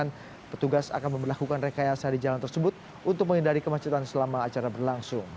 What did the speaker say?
petugas akan memperlakukan rekayasa di jalan tersebut untuk menghindari kemacetan selama acara berlangsung